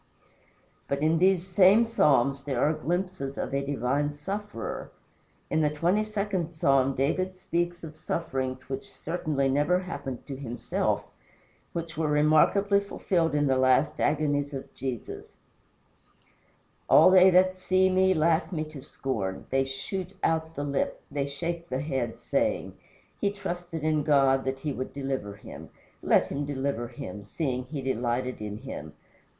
But in these same Psalms there are glimpses of a divine sufferer. In the twenty second Psalm David speaks of sufferings which certainly never happened to himself which were remarkably fulfilled in the last agonies of Jesus: "All they that see me laugh me to scorn. They shoot out the lip, they shake the head, saying, He trusted in God that he would deliver him. Let him deliver him, seeing he delighted in him.